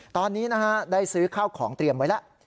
ตอนนี้ได้ซื้อข้าวของเตรียมไว้แล้ว